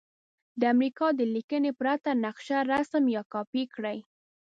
د امریکا د لیکنې پرته نقشه رسم یا کاپې کړئ.